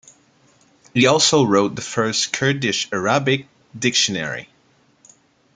He also wrote the first Kurdish-Arabic dictionary.